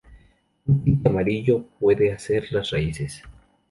Un tinte amarillo se puede hacer de las raíces.